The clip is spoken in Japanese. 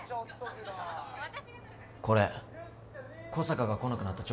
これ小坂が来なくなった